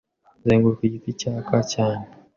'Zenguruka igiti cyaka cyane